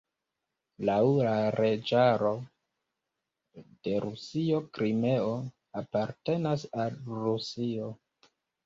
Laŭ la leĝaro de Rusio Krimeo apartenas al Rusio.